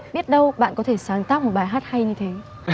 biết đâu bạn có thể sáng tác một bài hát hay như thế